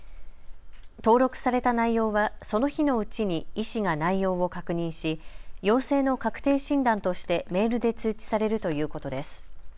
登録された内容はその日のうちに医師が内容を確認し陽性の確定診断としてメールで通知されるということです。